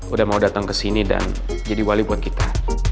udah mau datang kesini dan jadi wali buat kita